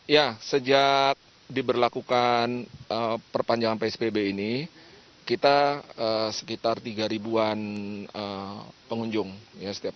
ya sejak diberlakukan perpanjangan psbb ini kita sekitar tiga ribuan pengunjung ya setiap hari